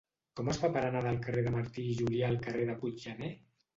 Com es fa per anar del carrer de Martí i Julià al carrer de Puiggener?